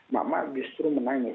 mak mak justru menangis